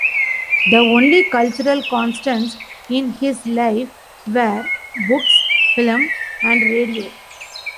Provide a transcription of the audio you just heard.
The only cultural constants in his life were books, film and radio.